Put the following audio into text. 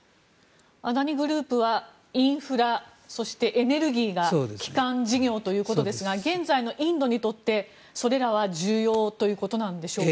アダニ・グループはインフラ、そしてエネルギーが基幹事業ということですが現在のインドにとってそれらは重要ということなんでしょうか？